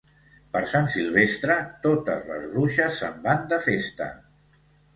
Per Sant Silvestre, totes les bruixes se'n van de festa.